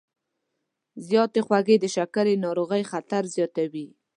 زیاتې خوږې د شکرې ناروغۍ خطر زیاتوي.